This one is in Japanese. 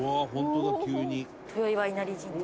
豊岩稲荷神社。